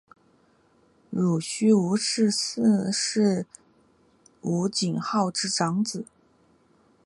濡须吴氏四世吴景昭之长子。